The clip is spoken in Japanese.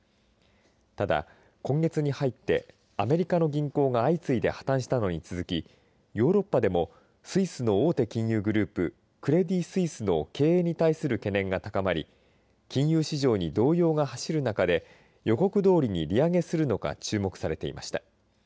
ただ、今月に入ってアメリカの銀行が相次いで破綻したのに続きヨーロッパでもスイスの大手金融グループクレディ・スイスの経営に対する懸念が高まり金融市場に動揺が走る中で予告どおりに利上げするのか注目されていました。